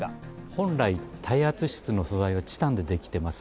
本来、耐圧室の素材はチタンで出来てます。